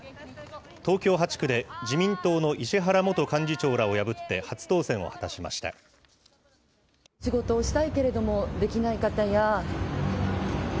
東京８区で、自民党の石原元幹事長らを破って初当選を果たしました。